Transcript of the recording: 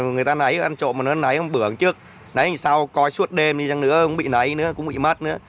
người ta nấy ăn trộm mà nó nấy bữa trước nấy sau coi suốt đêm đi chẳng nữa không bị nấy nữa cũng bị mất nữa